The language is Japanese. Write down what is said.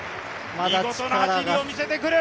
見事な走りをみせてくる！